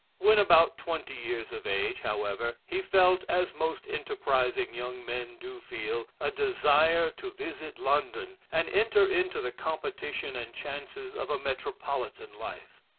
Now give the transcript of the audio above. When about twenty years of age, however, he felt as most enterprising young men do feel a desire to visit London, and enter into the competition and chances of a metropolitan life.